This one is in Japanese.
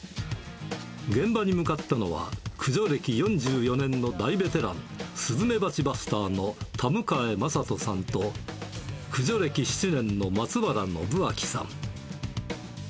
現場に向かったのは、駆除歴４４年の大ベテラン、スズメバチバスターの田迎真人さんと駆除歴７年の松原のぶあきさん。